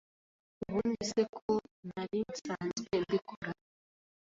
Ubundi se ko nari nsanzwe mbikora